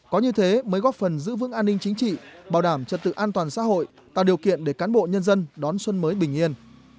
có như thế mới góp phần giữ vững an ninh chính trị bảo đảm trật tự an toàn xã hội tạo điều kiện để cán bộ nhân dân đón xuân mới bình yên